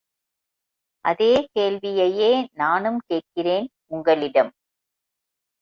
அதேகேள்வியையே நானும் கேட்கிறேன் உங்களிடம்.